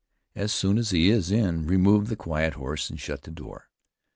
As soon as he is in, remove the quiet horse and shut the door.